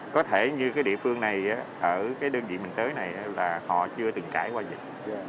có thể như cái địa phương này ở cái đơn vị mình tới này là họ chưa từng trải qua dịch